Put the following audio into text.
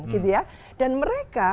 gitu ya dan mereka